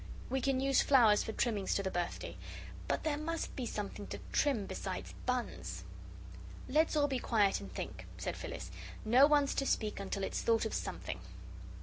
We can use flowers for trimmings to the birthday. But there must be something to trim besides buns." "Let's all be quiet and think," said Phyllis; "no one's to speak until it's thought of something."